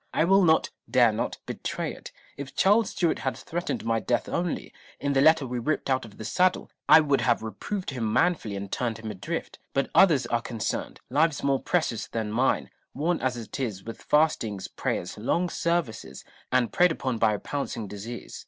I will not, dare not, betray it. If Charles Stuart had threatened my death only, in the letter we ripped out of the saddle, I would have reproved him manfully and turned him adrift : but others are concerned ; lives more precious than mine, worn as it is with fastings, prayers, long services, and preyed upon by a pouncing disease.